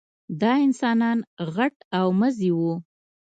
دا انسانان غټ او مزي وو.